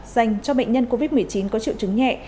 dành cho bệnh nhân covid một mươi chín có triệu chứng nhẹ